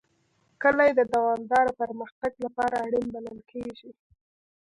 کلي د دوامداره پرمختګ لپاره اړین بلل کېږي.